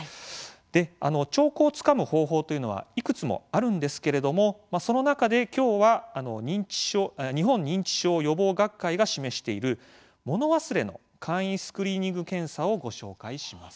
で兆候をつかむ方法というのはいくつもあるんですけれどもその中で今日は日本認知症予防学会が示しているもの忘れの簡易スクリーニング検査をご紹介します。